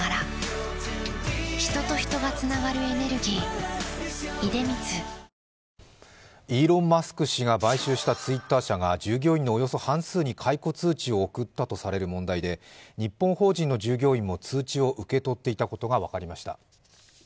このあとなんですけれども、実は、１３位ですね、イーロン・マスク氏が買収したＴｗｉｔｔｅｒ社が従業員のおよそ半数に解雇通知を送ったとされる問題で日本法人の従業員も通知を受け取っていたことが分かりました。